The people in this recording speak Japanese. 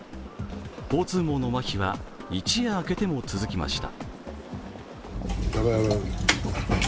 交通網のまひは一夜明けても続きました。